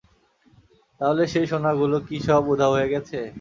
তাহলে সেই সোনাগুলো কি সব উধাও হয়ে গেছে?